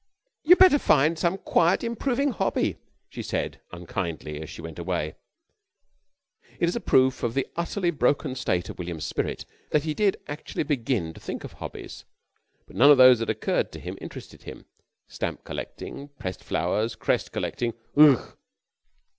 "You'd better find some quiet, improving hobby," she said unkindly as she went away. It is a proof of the utterly broken state of William's spirit that he did actually begin to think of hobbies, but none of those that occurred to him interested him. Stamp collecting, pressed flowers, crest collecting Ugh!